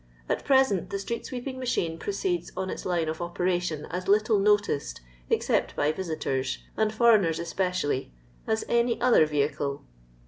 At present the street sweeping machine proceeds on its line of operation as little noticed, except by visitors, nnd foreigners especialiy, as any other vehicle.